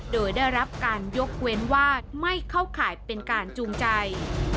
โดยได้รับการยกเว้นว่าไม่เข้าข่ายเป็นการจูงใจ